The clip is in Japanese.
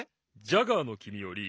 ジャガーのきみより。